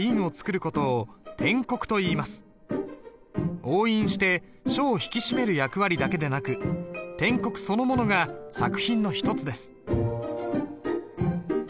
押印して書を引き締める役割だけでなく篆刻そのものが作品の一つです。